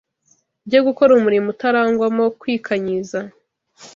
ryo gukora umurimo utarangwamo kwikanyiza